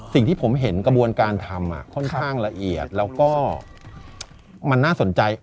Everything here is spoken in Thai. สิ่งที่ผมเห็นกระบวนการทำค่อนข้างละเอียดแล้วก็มันน่าสนใจ